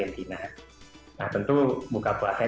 tetapi juga kami mengundang komunitas muslim untuk bergabung bersama kami